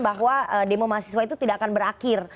bahwa demo mahasiswa itu tidak akan berakhir